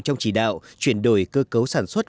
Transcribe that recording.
trong chỉ đạo chuyển đổi cơ cấu sản xuất